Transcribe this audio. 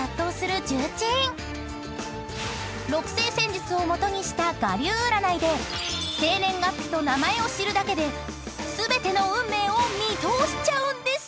［六星占術を基にした我流占いで生年月日と名前を知るだけで全ての運命を見通しちゃうんです］